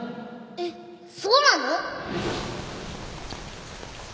えっそうなの？